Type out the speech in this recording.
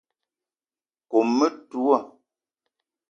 Kome metoua